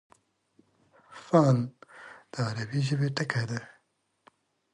فن: د عربي ژبي ټکی دﺉ.